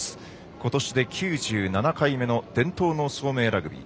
ことしで９７回目の伝統の早明ラグビー。